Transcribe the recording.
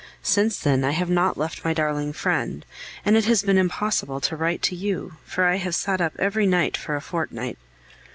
Since then I have not left my darling friend, and it has been impossible to write to you, for I have sat up every night for a fortnight.